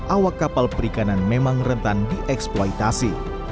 awak kapal perikanan memang rentan dieksploitasi